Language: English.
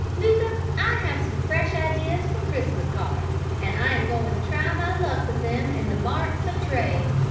Luther, I have some fresh ideas for Christmas cards and I am going to try my luck with them in the marts of trade.